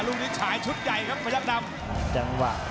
อรุณิชายชุดใหญ่ครับพญักดำ